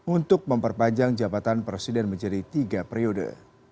untuk memperpanjang jabatan presiden menjadi tiga periode